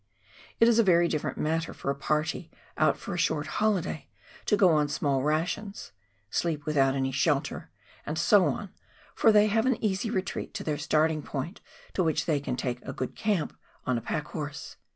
It is a very different matter for a party out for a short holiday to go on small rations, sleep without any shelter, and so on, for they have an easy retreat to their starting point, to which they can take a good camp on a packhorse.